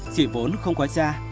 chị vốn không có cha